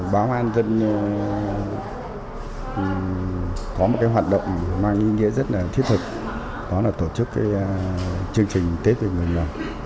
báo công an nhân dân có một hoạt động mang ý nghĩa rất thiết thực đó là tổ chức chương trình tết vì người nghèo